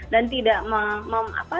dan tidak mau peduli